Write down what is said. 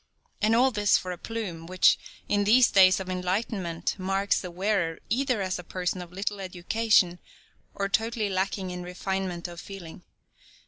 And all this for a plume, which, in these days of enlightenment marks the wearer either as a person of little education, or totally lacking in refinement of feeling.